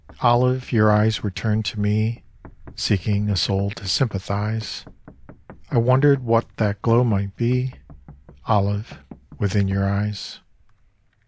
Olive, your eyes were turned to me, Seeking a soul to sympathise : I wondered what that glow might be, Olive, within your eyes.